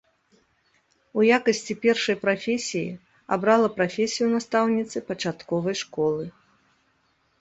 У якасці першай прафесіі абрала прафесію настаўніцы пачатковай школы.